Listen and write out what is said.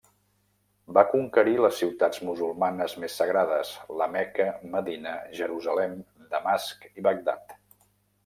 Va conquerir les ciutats musulmanes més sagrades La Meca, Medina, Jerusalem, Damasc i Bagdad.